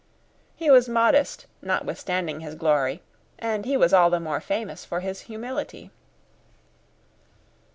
He was modest notwithstanding his glory, and he was all the more famous for his humility.